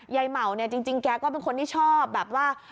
เหมาเนี่ยจริงแกก็เป็นคนที่ชอบแบบว่า